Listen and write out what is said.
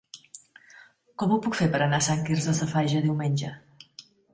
Com ho puc fer per anar a Sant Quirze Safaja diumenge?